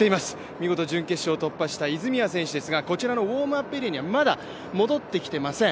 見事準決勝突破した泉谷選手ですがこちらのウォームアップエリアにはまだ戻ってきていません。